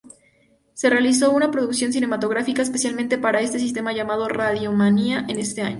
Se realizó una producción cinematográfica especialmente para este sistema llamada "Radio-Mania" ese año.